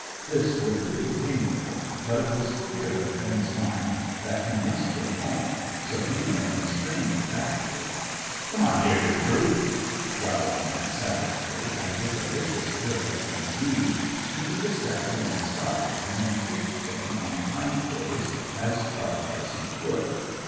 This was really painful, but it was clear in Finn's mind that he must go home, so he remained straining backward. "Come on 'ere, ye brute!" growled the man savagely, and, with a vicious jerk at the lead, he took a step to one side, and then kicked Finn on the hind quarters as hard as he could.